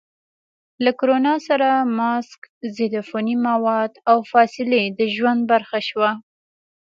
له کرونا سره ماسک، ضد عفوني مواد، او فاصلې د ژوند برخه شوه.